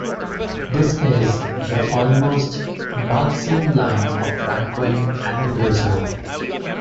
This is the almost Barksian line of Franquin and Uderzo.